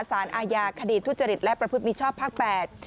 สารอาญาคดีทุจริตและประพฤติมิชชอบภาค๘